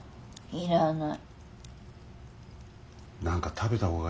いらない。